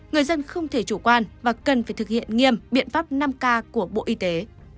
người dân không thể chủ quan và cần phải thực hiện nghiêm biện pháp năm k của bộ y tế